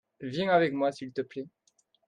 viens avec moi s'il te plait.